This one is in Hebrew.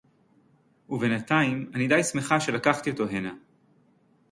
וּבֵינְתַיִים אֲנִי דֵי שִׂמְחָה שֶלָקַחְתִי אוֹתוֹ הֵנָה.